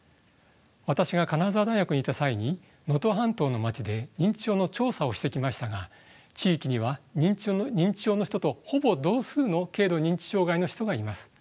私が金沢大学にいた際に能登半島の町で認知症の調査をしてきましたが地域には認知症の人とほぼ同数の軽度認知障害の人がいます。